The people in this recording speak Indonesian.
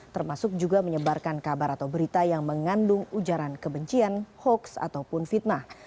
termasuk juga menyebarkan kabar atau berita yang mengandung ujaran kebencian hoax ataupun fitnah